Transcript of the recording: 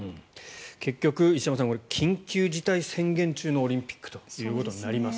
結局、石山さん緊急事態宣言中のオリンピックということになります。